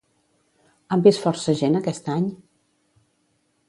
Han vist força gent aquest any?